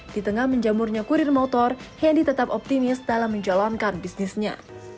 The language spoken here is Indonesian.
di tengah menjamurnya kurir motor hendy tetap optimis dalam menjalankan bisnisnya